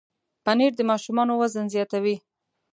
پنېر د ماشومانو وزن زیاتوي.